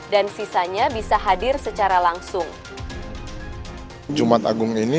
dan sisanya bisa hadir secara langsung